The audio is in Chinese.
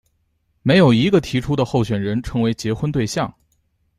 没有一个提出的候选人称为结婚对象。